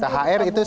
thr itu sebetulnya